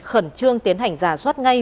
khẩn trương tiến hành giả soát ngay